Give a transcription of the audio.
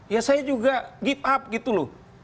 ya saya juga git up gitu loh